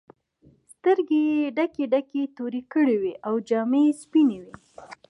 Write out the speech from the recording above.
سترګې یې ډکې ډکې تورې کړې وې او جامې یې سپینې وې.